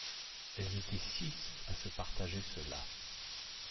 Elles étaient six à se partager cela.